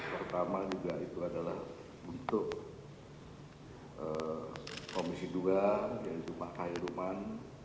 pertama juga itu adalah untuk komisi dua yaitu pak khairulman